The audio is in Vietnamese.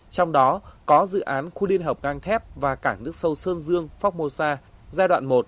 trong đó có dự án khu liên hợp cang thép và cảng nước sâu sơn dương phong mô sa giai đoạn một